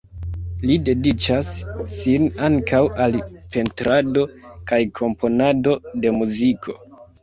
Li dediĉas sin ankaŭ al pentrado kaj komponado de muziko.